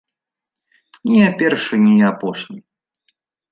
Не я першы, не я апошні.